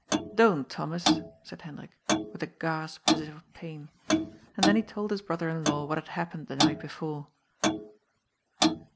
^* Don't, Thomas," said Hendrik, with a gasp as if of pain. And then he told his brother in law what had hap pened the night before.